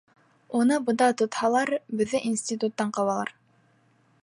Уны бында тотһалар, беҙҙе институттан ҡыуалар!